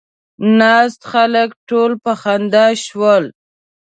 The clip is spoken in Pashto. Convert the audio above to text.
ناست خلک ټول په خندا شول.